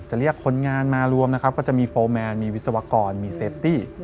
เรียกคนงานมารวมนะครับก็จะมีโฟร์แมนมีวิศวกรมีเซฟตี้